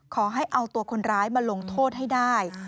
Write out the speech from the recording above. ขอให้เอาตัวคนร้ายมาลงโทษให้ได้